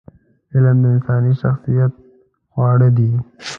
علم د انساني شخصیت خواړه دي.